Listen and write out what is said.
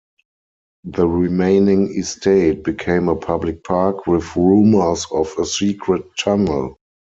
The remaining estate became a public park, with rumours of a secret tunnel.